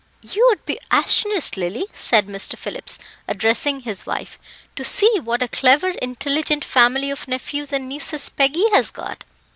"You would be astonished, Lily," said Mr. Phillips, addressing his wife, "to see what a clever, intelligent family of nephews and nieces Peggy has got.